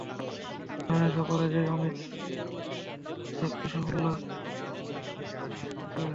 বাংলাদেশ অপরাজেয়, অমিত তার শক্তি, সাফল্য তার সুনিশ্চিত, এ-বিশ্বাস রাখতে হবে।